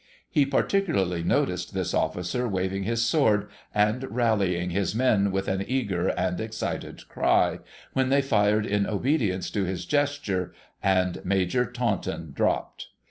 He particularly noticed this officer waving his sword, and rallying his men with an eager and excited cry, when they fired in obedience to his gesture, and Major Taunton dropped.